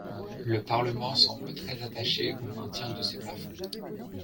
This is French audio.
Le Parlement semble très attaché au maintien de ces plafonds.